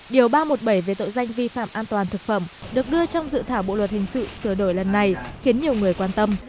điều ba một bảy về tội doanh vi phạm an toàn thực phẩm được đưa trong dự thảo bộ luật hình sự sựa đổi lần này khiến nhiều người quan tâm